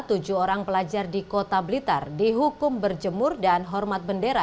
tujuh orang pelajar di kota blitar dihukum berjemur dan hormat bendera